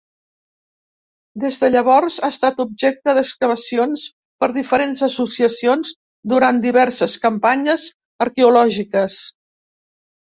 Des de llavors, ha estat objecte d'excavacions per diferents associacions durant diverses campanyes arqueològiques.